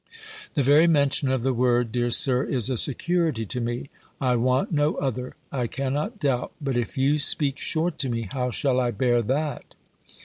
"The very mention of the word, dear Sir, is a security to me; I want no other; I cannot doubt: but if you speak short to me, how shall I bear that?"